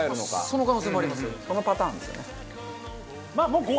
そのパターンですよね。